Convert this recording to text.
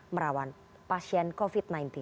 merawan pasien covid sembilan belas